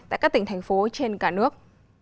tại các tỉnh thành phố trên cả nước